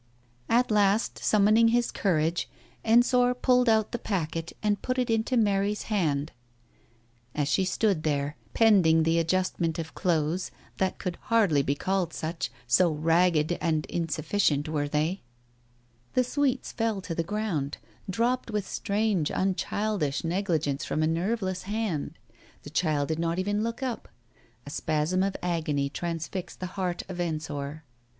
At last summoning his courage, Ensor pulled out the packet and put it into Mary's hand as she stood there, pending the adjustment of clothes that could hardly be called such, so ragged and insufficient were they. Digitized by Google 278 TALES OF THE UNEASY The sweets fell to the ground, dropped with strange unchildish negligence from a nerveless hand. The child did not even look up. A spasm of agony trans fixed the heart of Ensor.